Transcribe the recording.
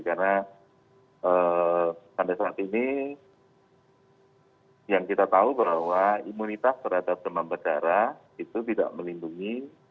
karena sampai saat ini yang kita tahu bahwa imunitas terhadap demam berdarah itu tidak melindungi